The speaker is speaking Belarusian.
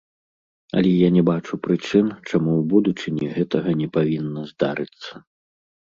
Але я не бачу прычын, чаму ў будучыні гэтага не павінна здарыцца.